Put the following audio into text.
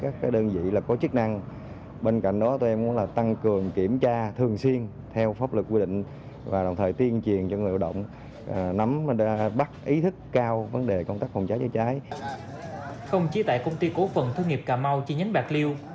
tại công ty cổ phần thương nghiệp cà mau chi nhánh bạc liêu